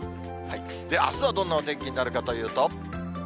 あすはどんなお天気になるかというと。